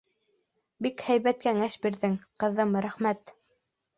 Бик һәйбәт кәңәш бирҙең, ҡыҙым, рәхмәт.